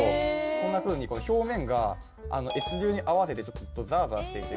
こんなふうに表面が越流に合わせてちょっとザラザラしていて。